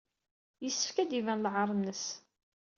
Yessefk ad d-iban lɛaṛ-nnes.